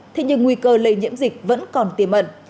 thế nhưng nguy cơ lây nhiễm dịch vẫn còn tiềm ẩn